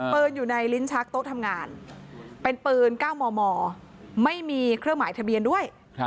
อยู่ในลิ้นชักโต๊ะทำงานเป็นปืน๙มมไม่มีเครื่องหมายทะเบียนด้วย